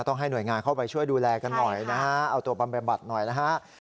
ให้หน่วยงานเข้าไปช่วยดูแลกันหน่อยนะฮะเอาตัวบำบัดหน่อยนะฮะ